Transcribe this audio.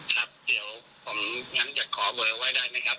ครับผมยังจะขอเบื่อไว้ได้ไหมครับ